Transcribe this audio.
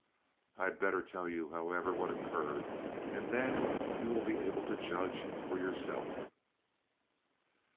I had better tell you, however, what occurred, and then you will be able to judge for yourself.